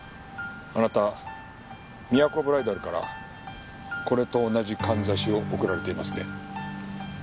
あなたみやこブライダルからこれと同じかんざしを贈られていますね。